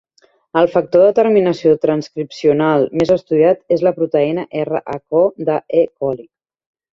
El factor de terminació transcripcional més estudiat és la proteïna Rho de "E. coli".